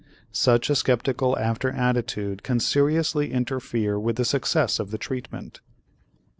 Such a skeptical after attitude can seriously interfere with the success of the treatment.